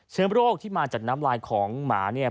เชื้อโรคที่มาจากน้ำลายของหมาเนี่ย